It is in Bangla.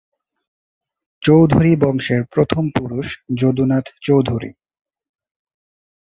চৌধুরী বংশের প্রথম পুরুষ যদুনাথ চৌধুরী।